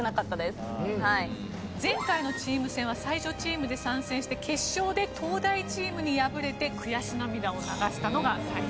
前回のチーム戦は才女チームで参戦して決勝で東大チームに敗れて悔し涙を流したのが才木さんです。